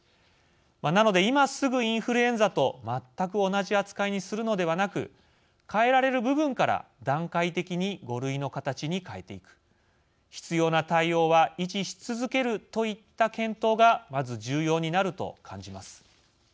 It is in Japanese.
なので、今すぐインフルエンザと全く同じ扱いにするのではなく変えられる部分から段階的に５類の形に変えていく必要な対応は維持し続けるといった検討がまず重要になると感じます。